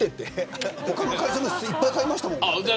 他の会社のやついっぱい買いましたもん。